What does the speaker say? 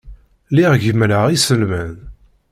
Lliɣ gemmreɣ iselman.